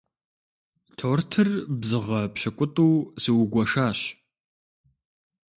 Тортыр бзыгъэ пщыкӏутӏу сыугуэшащ.